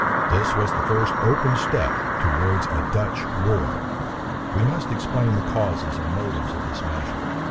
This was the first open step towards a Dutch war. We must explain the causes and motives of this measure.